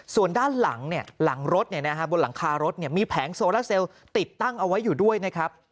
ส่วนด้านหลังหลังรถบนหลังคารถมีแผงโซลาเซลติดตั้งเอาไว้อยู่ด้วยนะครับ